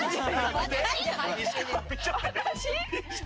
私？